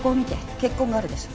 血痕があるでしょ。